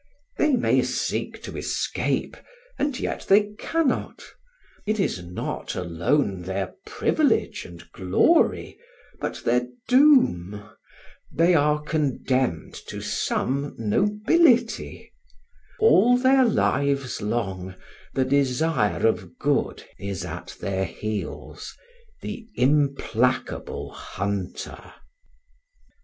They may seek to escape, and yet they cannot; it is not alone their privilege and glory, but their doom; they are condemned to some nobility; all their lives long, the desire of good is at their heels, the implacable hunter.